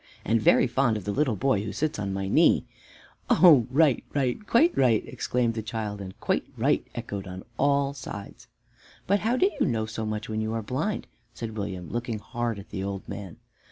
"And very fond of the little boy who sits on my knee." "Oh! right, right, quite right!" exclaimed the child, and "quite right" echoed on all sides. "But how do you know so much, when you are blind?" said William, looking hard at the old man.